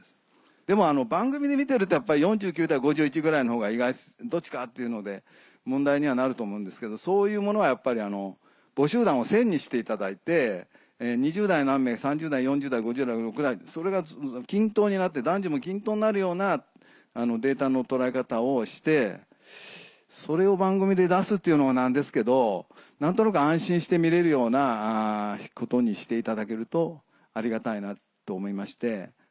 でも番組で見てるとやっぱり４９対５１ぐらいの方が意外とどっちかっていうので問題にはなると思うんですけどそういうものはやっぱり母集団を１０００にしていただいて２０代何名３０代４０代５０代ってそれが均等になって男女も均等になるようなデータの捉え方をしてそれを番組で出すっていうのもなんですけど何となく安心して見れるようなことにしていただけるとありがたいなと思いまして。